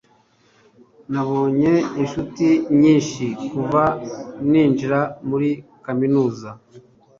nabonye inshuti nyinshi kuva ninjira muri kaminuza